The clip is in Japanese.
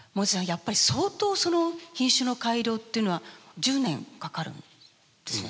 やっぱり相当その品種の改良っていうのは１０年かかるんですね